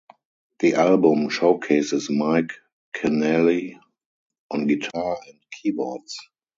The album showcases Mike Keneally on guitar and keyboards.